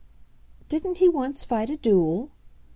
"Didn't he once fight a duel?"